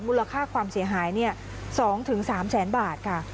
มูลค่าความเสียหาย๒๓แสนบาทค่ะ